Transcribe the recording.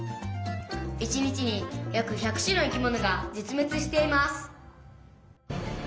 「一日に約１００種の生き物が絶滅しています」。